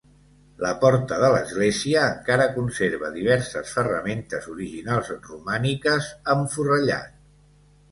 La porta de l'església, encara, conserva diverses ferramentes originals romàniques, amb forrellat.